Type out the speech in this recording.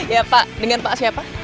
ya pak dengan pak siapa